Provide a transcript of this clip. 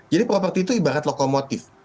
jadi properti itu ibarat lokomotif